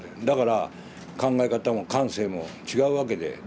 だから考え方も感性も違うわけで。